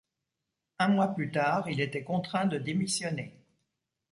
Un mois plus tard, il était contraint de démissionner.